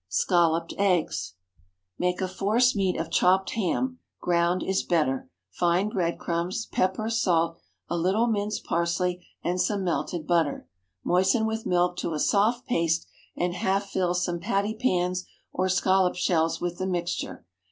SCALLOPED EGGS. ✠ Make a force meat of chopped ham—ground is better—fine bread crumbs, pepper, salt, a little minced parsley, and some melted butter. Moisten with milk to a soft paste, and half fill some patty pans or scallop shells with the mixture.